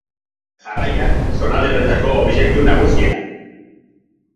Jarraian, zonalde honetako objektu nagusienak.